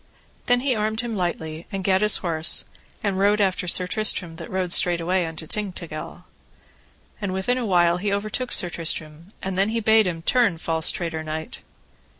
Then he armed him lightly, and gat his horse, and rode after Sir Tristram that rode straightway unto Tintagil. And within a while he overtook Sir Tristram, and then he bade him, Turn, false traitor knight.